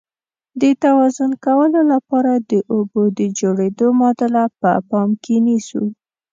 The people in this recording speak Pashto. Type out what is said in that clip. د توازن کولو لپاره د اوبو د جوړیدو معادله په پام کې نیسو.